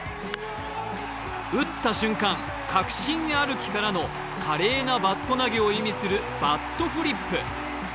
打った瞬間、確信歩きからの華麗なバット投げを意味するバットフリップ。